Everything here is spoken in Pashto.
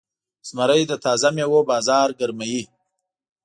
زمری د تازه میوو بازار ګرموي.